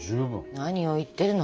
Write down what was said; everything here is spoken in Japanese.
何を言ってるの。